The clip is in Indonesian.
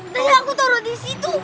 ternyata aku taro disitu